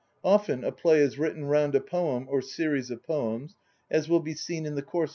Often a play is written round a poem or series of poems, as will be seen in the course of this book.